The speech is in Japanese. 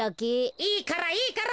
いいからいいから。